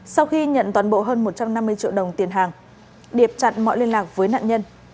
sau khi nhận toàn bộ hơn một trăm năm mươi triệu đồng tiền hàng điệp chặn mọi liên lạc với nạn nhân